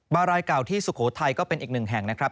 บารายเก่าที่สุโขทัยก็เป็นอีกหนึ่งแห่งนะครับ